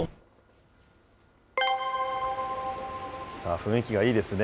雰囲気がいいですね。